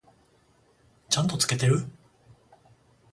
ちゃんと付けてる？